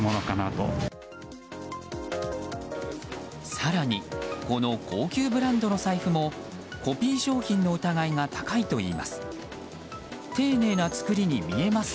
更にこの高級ブランドの財布もコピー商品の疑いが高いといいます。